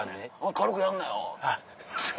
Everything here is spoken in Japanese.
「軽くやるなよ！」。